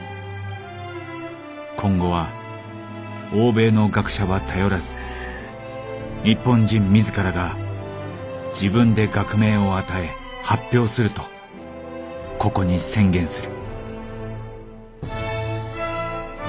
今後は欧米の学者は頼らず日本人自らが自分で学名を与え発表するとここに宣言する」。